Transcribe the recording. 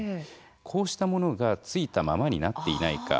こうしたものがついたままになっていないか。